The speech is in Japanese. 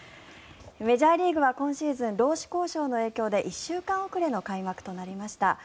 メジャーリーグは今シーズン労使交渉の影響で１週間遅れの開幕となりました。